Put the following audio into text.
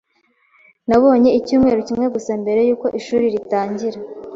Nabonye icyumweru kimwe gusa mbere yuko ishuri ritangira.